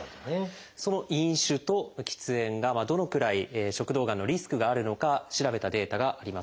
その飲酒と喫煙がどのくらい食道がんのリスクがあるのか調べたデータがあります。